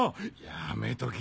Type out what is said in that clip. やめとけ。